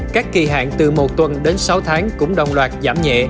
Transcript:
các kỳ hạn từ một tuần đến sáu tháng cũng đồng loạt giảm nhẹ